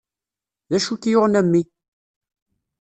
D acu i k-yuɣen a mmi?